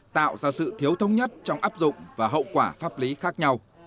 tạo ra sự thiếu thống nhất trong áp dụng và hậu quả pháp lý khác nhau